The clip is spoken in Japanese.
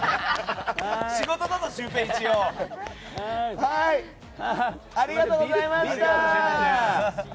仕事だぞ、一応！ありがとうございました。